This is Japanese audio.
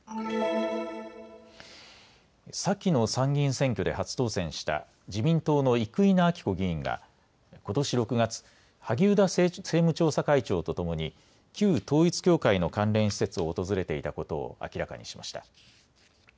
先の参議院選挙で初当選した自民党の生稲晃子議員がことし６月、萩生田政務調査会長とともに旧統一教会の関連施設を訪れていたことを明らかにしました。